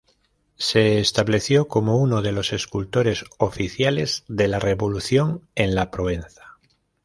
Se estableció como uno de los escultores oficiales de la Revolución en la Provenza.